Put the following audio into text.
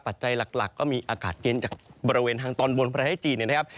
ปัจจัยหลักก็มีอากาศเย็นจากบริเวณทางตอนบนประเทศจีนนะครับ